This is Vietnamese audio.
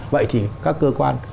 vậy thì các cơ quan